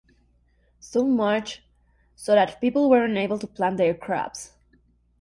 So much so that people were unable to plant their crops.